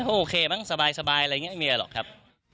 โอเคมั้งสบายอะไรอย่างนี้ไม่มีอะไรหรอกครับ